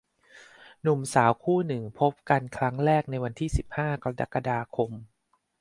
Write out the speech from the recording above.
หนุ่มสาวคู่หนึ่งพบกันครั้งแรกในวันที่ สิบห้า กรกฎาคม